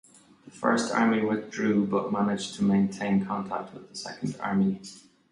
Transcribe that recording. The First Army withdrew but managed to maintain contact with the Second Army.